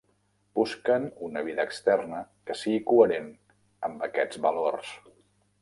Busquen una vida externa que sigui coherent amb aquests valors.